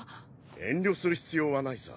遠慮する必要はないさ。